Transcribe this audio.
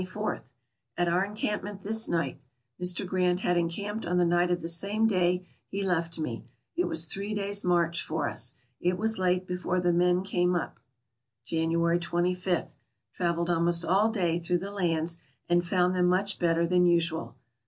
— At our encampment this night ; Mr. Grant had encamped on the night of the same day he left me ; it was three days' march for us. It was late before the men came up. January 23. — Traveled almost all day through the lands and found them much better than usual.